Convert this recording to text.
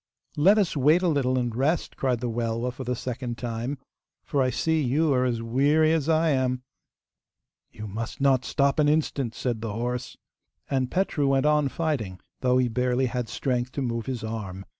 'Let us wait a little and rest,' cried the Welwa for the second time, 'for I see you are as weary as I am.' 'You must not stop an instant,' said the horse. And Petru went on fighting, though he barely had strength to move his arm.